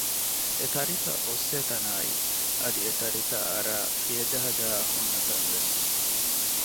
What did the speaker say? އެތަރިތައް އޮއްސޭތަނާއި އަދި އެތަރިތައް އަރައި ފިޔަޖަހަޖަހާ ހުންނަތަން ވެސް